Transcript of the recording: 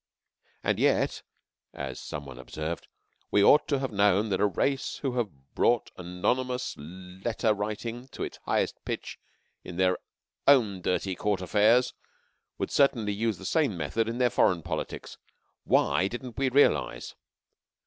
"And yet," as some one observed, "we ought to have known that a race who have brought anonymous letter writing to its highest pitch in their own dirty Court affairs would certainly use the same methods in their foreign politics. Why didn't we realize?"